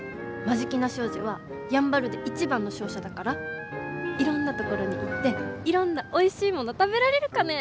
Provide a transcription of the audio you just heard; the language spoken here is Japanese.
眞境名商事はやんばるで一番の商社だからいろんなところに行っていろんなおいしいもの食べられるかね。